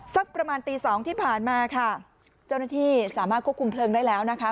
สักประมาณตีสองที่ผ่านมาค่ะเจ้าหน้าที่สามารถควบคุมเพลิงได้แล้วนะคะ